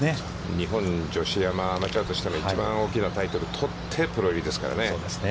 日本女子アマチュアとして一番大きなタイトルを取ってプロ入りですからね。